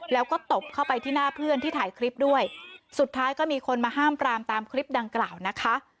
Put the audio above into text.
แล้วก็ตบเข้าไปที่หน้าเพื่อนที่ถ่ายคลิปด้วยสุดท้ายก็มีคนมาห้ามปรามตามคลิปดังกล่าวนะคะ